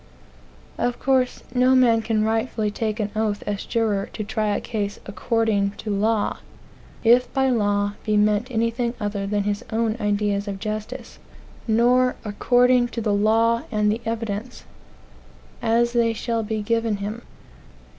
Of course, no man can rightfully take an oath as juror, to try a case "according to law," (if by law be meant anything other than his own ideas of justice,) nor "according to the law and the evidence, as they shall be given him."